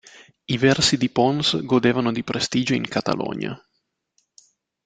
I versi di Pons godevano di prestigio in Catalogna.